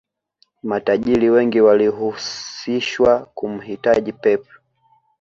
matajiri wengi walihusishwa kumhitaji pep